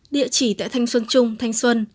địa chỉ tại thanh xuân trung thanh xuân